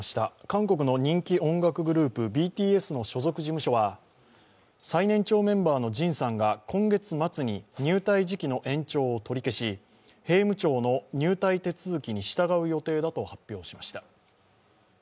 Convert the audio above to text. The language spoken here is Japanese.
韓国の人気音楽グループ、ＢＴＳの所属事務所は最年長メンバーのＪＩＮさんが今月末に入隊時期の延長を取り消し、兵務庁の入隊手続きに従う予定だと発表しました。